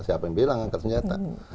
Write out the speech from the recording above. siapa yang bilang angka senjata